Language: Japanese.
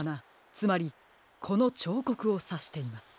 つまりこのちょうこくをさしています。